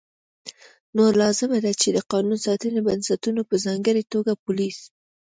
نو لازمه ده چې د قانون ساتنې بنسټونه په ځانګړې توګه پولیس